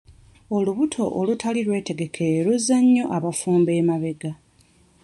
Olubuto olutali lwetegekere luzza nnyo abafumbo emabega.